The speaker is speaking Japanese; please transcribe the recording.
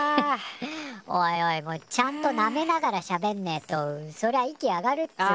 おいおいちゃんとなめながらしゃべんねえとそりゃ息上がるっつの。